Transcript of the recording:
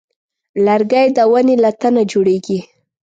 لرګی د ونې له تنه جوړېږي.